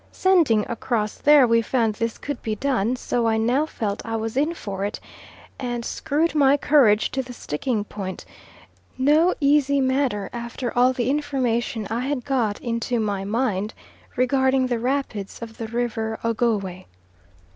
Sending across there we found this could be done, so I now felt I was in for it, and screwed my courage to the sticking point no easy matter after all the information I had got into my mind regarding the rapids of the River Ogowe.